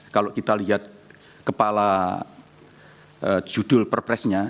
kalau kita lihat kepala judul perpresnya